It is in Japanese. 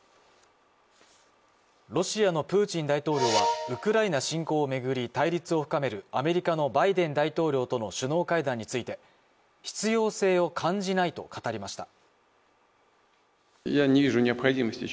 ロシアのプーチン大統領はウクライナ侵攻を巡り対立を深めるアメリカのバイデン大統領との首脳会談について必要性を感じないと語りました。